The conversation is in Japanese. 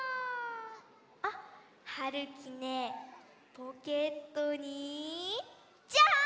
あっはるきねポケットにじゃん！